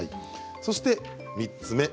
そして、３つ目。